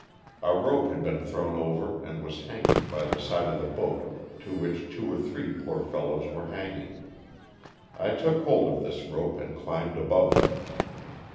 A rope had been thrown over and was hanging by the side of the boat to which two or three poor fel lows were hanging. I took hold of this rope and climbed above them.